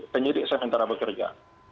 penyidik sementara bekerja